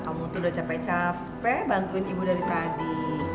kamu tuh udah capek capek bantuin ibu dari tadi